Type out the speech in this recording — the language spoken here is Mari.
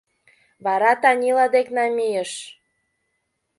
Вара Танила дек намийыш.